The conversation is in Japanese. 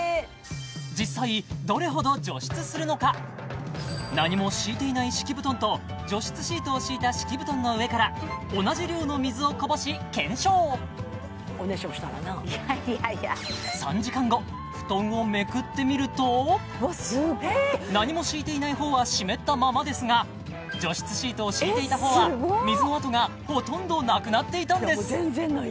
実際どれほど除湿するのか何も敷いていない敷き布団と除湿シートを敷いた敷き布団の上から同じ量の水をこぼし検証おねしょしたらないやいや布団をめくってみると何も敷いていないほうは湿ったままですが除湿シートを敷いていたほうは水の跡がほとんどなくなっていたんです